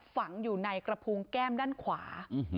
ฝังอยู่ในกระพุงแก้มด้านขวา